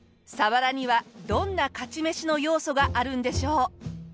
サワラにはどんな勝ち飯の要素があるんでしょう？